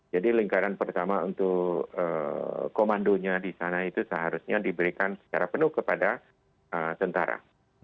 jadi lingkaran pertama untuk komandonya di sana itu seharusnya diberikan secara penuh kepada tentara